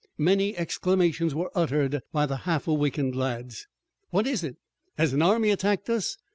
Many exclamations were uttered by the half awakened lads. "What is it? Has an army attacked us?"